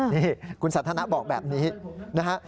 นี่คุณสันทนาบอกแบบนี้นะฮะ